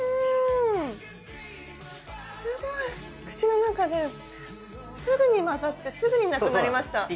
口の中ですぐに混ざってすぐになくなりました。